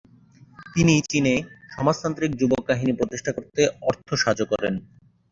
তিনিই চীনে "সমাজতান্ত্রিক যুব বাহিনী" প্রতিষ্ঠা করতে অর্থসাহায্য করেন।